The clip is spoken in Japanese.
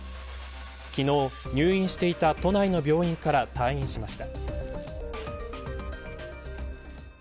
昨日入院していた都内の病院から退院しました。